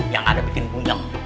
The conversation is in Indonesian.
yang ada bikin bunyeng